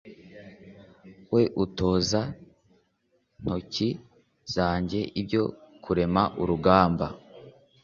we utoza ntoki zanjye ibyo kurema urugamba